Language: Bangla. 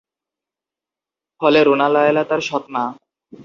ফলে রুনা লায়লা তার সৎ মা।